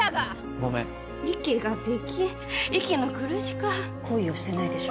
ごめん息ができん息の苦しか恋をしてないでしょ